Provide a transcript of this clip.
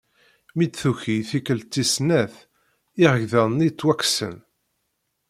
Mi d-tuki i tikelt tis snat iɣegdan-nni ttwaksen.